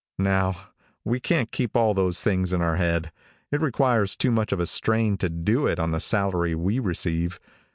Now we can't keep all those things in our head. It requires too much of a strain to do it on the salary we receive.